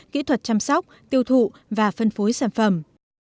kỹ thuật chăm sóc tiêu thụ và phân phối sản phẩm